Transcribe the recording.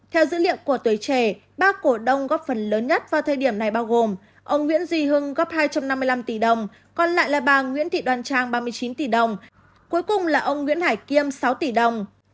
theo dữ liệu của tuổi trẻ ba cổ đông góp phần lớn nhất vào thời điểm này bao gồm ông nguyễn duy hưng góp hai trăm năm mươi năm tỷ đồng còn lại là bà nguyễn thị đoan trang ba mươi chín tỷ đồng cuối cùng là ông nguyễn hải kiêm sáu tỷ đồng